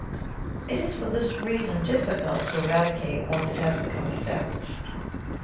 It is for this reason difficult to eradicate once it has become established.